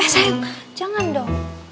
eh sayang jangan dong